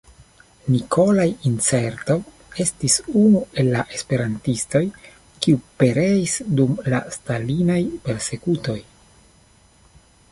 Nikolaj Incertov estis unu el la esperantistoj, kiuj pereis dum la Stalinaj persekutoj.